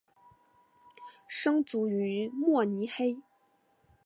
生卒于慕尼黑。